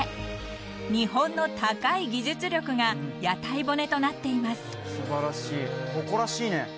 ［日本の高い技術力が屋台骨となっています］